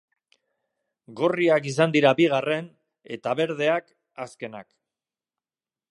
Gorriak izan dira bigarren, eta berdeak, azkenak.